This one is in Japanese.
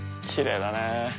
きれいだね。